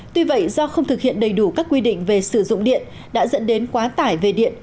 tuy vậy do không thực hiện đầy đủ các quy định về sử dụng điện đã dẫn đến quá tải về điện